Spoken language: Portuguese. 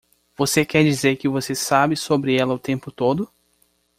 Você quer dizer que você sabe sobre ela o tempo todo?